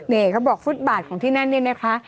นี่เขาบอกฟุตบาทของที่นั่นเนี่ยนะคะ